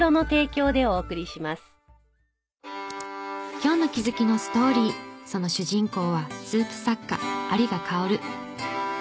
今日の気づきのストーリーその主人公はスープ作家有賀薫。